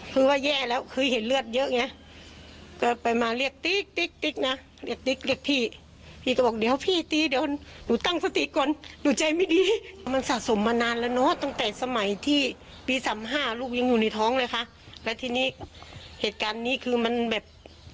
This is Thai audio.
คือว่าแย่แล้วคือเห็นเลือดเยอะไงก็ไปมาเรียกติ๊กติ๊กติ๊กนะเรียกติ๊กเรียกพี่พี่ก็บอกเดี๋ยวพี่ตีเดี๋ยวหนูตั้งสติก่อนหนูใจไม่ดีมันสะสมมานานแล้วเนอะตั้งแต่สมัยที่ปีสามห้าลูกยังอยู่ในท้องเลยค่ะแล้วทีนี้เหตุการณ์นี้คือมันแบบ